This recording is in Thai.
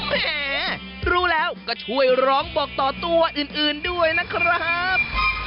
แหมรู้แล้วก็ช่วยร้องบอกต่อตัวอื่นด้วยนะครับ